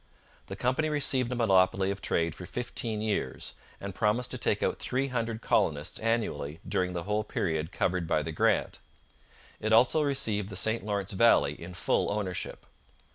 The company received a monopoly of trade for fifteen years, and promised to take out three hundred colonists annually during the whole period covered by the grant. It also received the St Lawrence valley in full ownership.